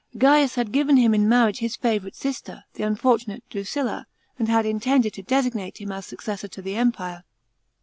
Gaius had given him in marriage his favourite sister, the unfortunate Drusilla, and had intended to designate him as successor to the Empire.